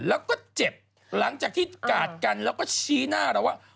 แล้วก็เจ็บหลังจากที่กาดกันแล้วก็ชี้หน้าเราว่า